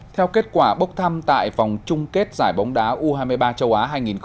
theo kết quả bốc thăm tại vòng chung kết giải bóng đá u hai mươi ba châu á hai nghìn hai mươi